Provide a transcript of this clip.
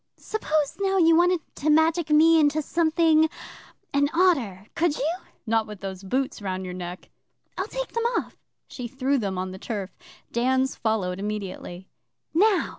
'Suppose, now, you wanted to magic me into something an otter? Could you?' 'Not with those boots round your neck.' 'I'll take them off.' She threw them on the turf. Dan's followed immediately. 'Now!